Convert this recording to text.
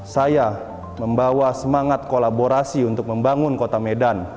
saya membawa semangat kolaborasi untuk membangun kota medan